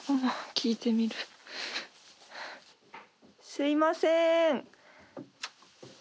すいません！